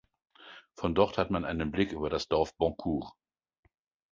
Von dort hat man einen Blick über das Dorf Boncourt.